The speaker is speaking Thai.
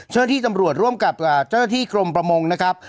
เจ้าหน้าที่ตำรวจร่วมกับเจ้าหน้าที่กรมประมงนะครับ